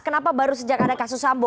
kenapa baru sejak ada kasus sambo